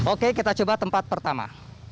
oke kita coba tempat pertama